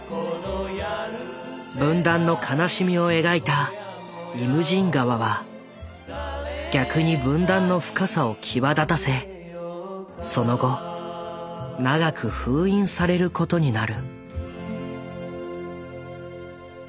分断の悲しみを描いた「イムジン河」は逆に分断の深さを際立たせその後長く封印されることになる。